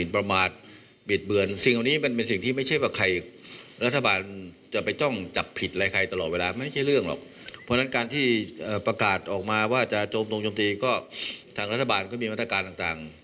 เพราะฉะนั้นการที่ประกาศออกมาว่าจะโจมตรงโจมตีก็ทางรัฐบาลก็มีมาตรการต่าง